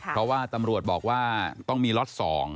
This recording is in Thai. เพราะว่าตำรวจบอกว่าต้องมีล็อต๒